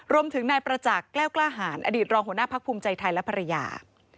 รวมถึงนายประจักษ์แก้วกล้าหารอดีตรองหัวหน้าพักภูมิใจไทยและภรรยา